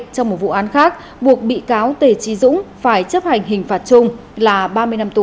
trong một vụ án khác buộc bị cáo tề trí dũng phải chấp hành hình phạt chung là ba mươi năm tù